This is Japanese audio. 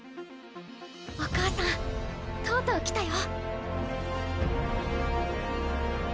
お母さんとうとう来たよ。